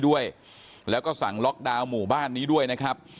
ด้วยแล้วก็สั่งล็อกดาวน์หมู่บ้านนี้ด้วยนะครับ